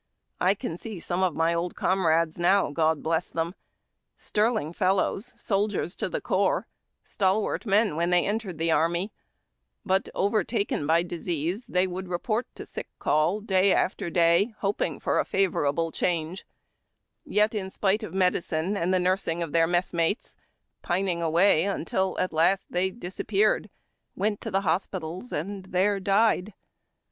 1 can see some of my old comrades now, God bless them! sterling fellows, soldiers to the core, stalwart men when they entered the army, but, overtaken by disease, they would report to sick call, day after day, hoiung for a favorable change ; yet, in spite of medicine and the nursing of their messmates, pining away until at last they disap peared went to the hospitals, and there died.